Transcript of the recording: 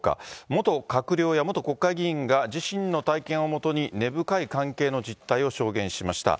元閣僚や元国会議員が自身の体験をもとに根深い関係の実態を証言しました。